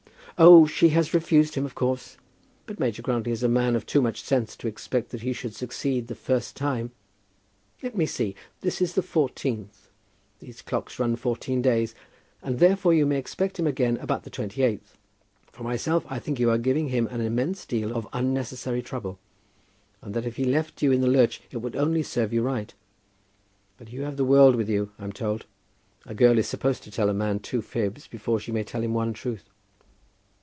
"Oh, she has refused him, of course. But Major Grantly is a man of too much sense to expect that he should succeed the first time. Let me see; this is the fourteenth. These clocks run fourteen days, and, therefore, you may expect him again about the twenty eighth. For myself, I think you are giving him an immense deal of unnecessary trouble, and that if he left you in the lurch it would only serve you right; but you have the world with you, I'm told. A girl is supposed to tell a man two fibs before she may tell him one truth."